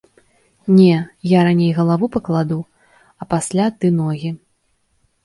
Не, я раней галаву пакладу, а пасля ты ногі.